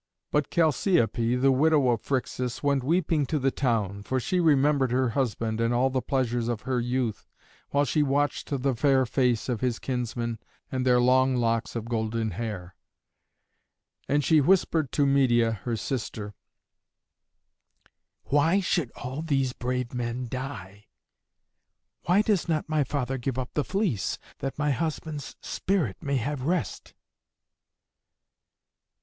But Chalciope, the widow of Phrixus, went weeping to the town, for she remembered her husband and all the pleasures of her youth while she watched the fair face of his kinsmen and their long locks of golden hair. And she whispered to Medeia, her sister, "Why should all these brave men die? Why does not my father give up the fleece, that my husband's spirit may have rest?"